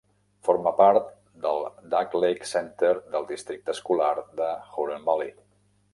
Forma part de Duck Lake Center del districte escolar de Huron Valley.